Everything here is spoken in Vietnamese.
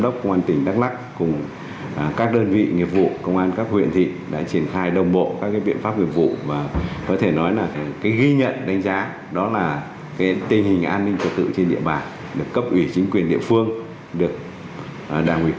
công an tỉnh đắk lắc đã tăng cường xây dựng đảng xây dựng lực lượng